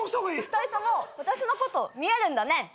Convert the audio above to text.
２人とも私のこと見えるんだね。